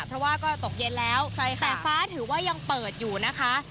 เพราะว่าก็ตกเย็นแล้วแต่ฟ้าถือว่ายังเปิดอยู่นะคะ